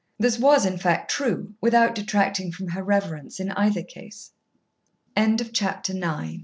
This was, in fact, true without detracting from her reverence in either case. Chapter Ten Th